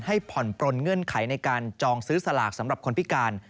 ผ่อนปลนเงื่อนไขในการจองซื้อสลากสำหรับคนพิการ